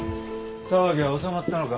騒ぎは収まったのか？